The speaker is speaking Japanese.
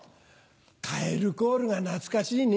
カエルコールが懐かしいね。